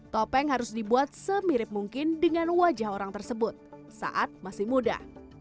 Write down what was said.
topeng harus dibuat semirip mungkin dengan wajah orang tersebut saat masih muda